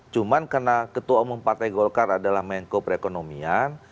cuman karena ketua umum partai golkar adalah mengkoperekonomian